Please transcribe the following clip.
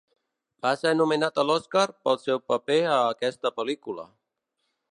Va ser nominat a l'Oscar pel seu paper a aquesta pel·lícula.